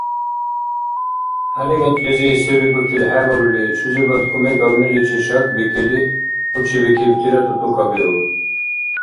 ХӀялиматлизи се бикӀутил хӀебалули, чузибад кумек агниличи шакбикили учибикибтира тӀутӀукабиуб.